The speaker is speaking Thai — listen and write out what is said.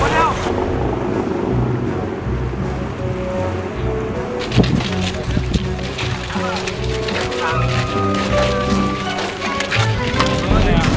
อันนี้ก็คือพูดมาแล้วโปรดนะครับวิทยาลัยพูดหมดแล้วนะครับ